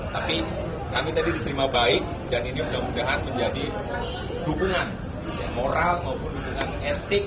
tapi kami tadi diterima baik dan ini mudah mudahan menjadi dukungan moral maupun dukungan etik